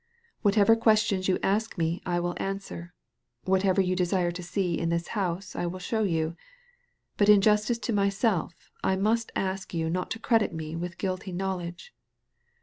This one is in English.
Whatever questions you ask me I will answer ; whatever you desire to see in this house I will show you ; but in justice to myself, I must ask you not to credit me with guilty knowledge."